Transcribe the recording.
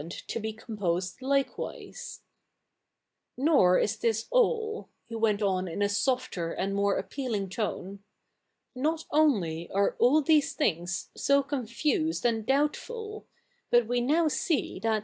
id to be composed likewise, ' IVor is this all,'' he went on in a softer and more appealing tone ;' not ojily ai e all these things so confused and doubtful ; but we tioiv see that, i?